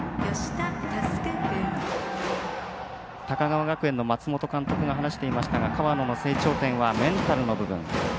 高川学園の松本監督が話していましたが河野の成長点はメンタルの部分。